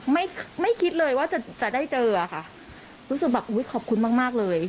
ไม่ไม่คิดเลยว่าจะจะได้เจออะค่ะรู้สึกแบบอุ้ยขอบคุณมากมากเลย